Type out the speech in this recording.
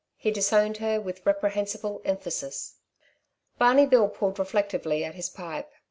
He disowned her with reprehensible emphasis. Barney Bill pulled reflectively at his pipe.